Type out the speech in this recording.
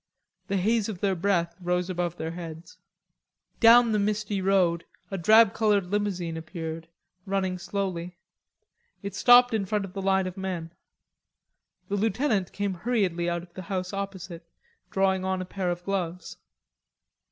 The haze of their breath rose above their heads. Down the misty road a drab colored limousine appeared, running slowly. It stopped in front of the line of men. The lieutenant came hurriedly out of the house opposite, drawing on a pair of gloves.